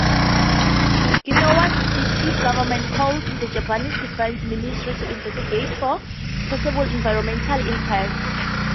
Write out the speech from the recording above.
Ginowan city government called the Japanese defense ministry to investigate for "possible environmental impacts".